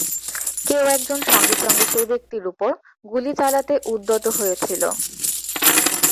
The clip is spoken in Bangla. কেউ একজন সঙ্গে সঙ্গে সেই ব্যক্তির ওপর গুলি চালাতে উদ্যত হয়েছিল।